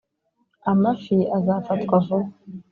amafi azafatwa vuba,